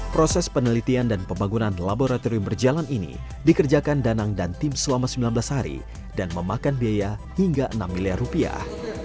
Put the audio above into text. proses penelitian dan pembangunan laboratorium berjalan ini dikerjakan danang dan tim selama sembilan belas hari dan memakan biaya hingga enam miliar rupiah